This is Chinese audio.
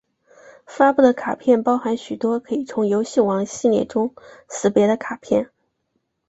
发布的卡片包含许多可以从游戏王系列中识别的卡片！